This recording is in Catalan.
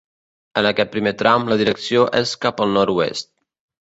En aquest primer tram, la direcció és cap al nord-oest.